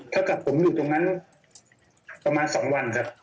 ถ้าเกิดผมอยู่ตรงนั้นประมาณ๒วันครับ